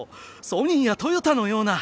ソニーやトヨタのような！